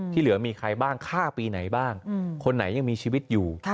เหลือมีใครบ้างฆ่าปีไหนบ้างคนไหนยังมีชีวิตอยู่